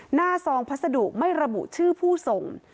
ซองพัสดุไม่ระบุชื่อผู้ส่ง